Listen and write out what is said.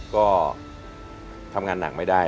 ก็ทำงานหนังไม่ได้